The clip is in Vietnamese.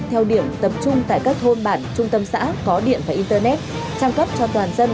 theo điểm tập trung tại các thôn bản trung tâm xã có điện và internet trang cấp cho toàn dân